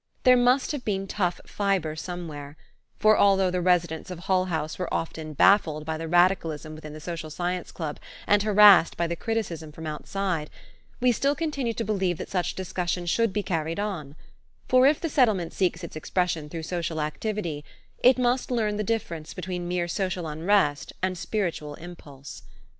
There must have been tough fiber somewhere; for, although the residents of Hull House were often baffled by the radicalism within the Social Science Club and harassed by the criticism from outside, we still continued to believe that such discussion should be carried on, for if the Settlement seeks its expression through social activity, it must learn the difference between mere social unrest and spiritual impulse.